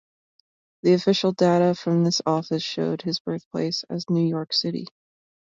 The official data from this office showed his birthplace as New York City.